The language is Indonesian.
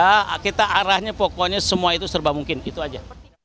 ya kita arahnya pokoknya semua itu serba mungkin itu aja